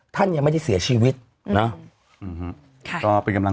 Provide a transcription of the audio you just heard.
ท่านยังไม่ได้เสียชีวิตนะ